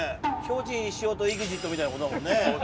巨人師匠とＥＸＩＴみたいな事だもんね。